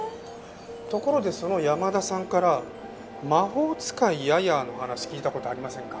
ところでその山田さんから『魔法使いヤヤー』の話聞いた事ありませんか？